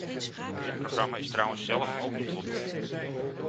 Dit programma is trouwens zelf ook niet voldoende.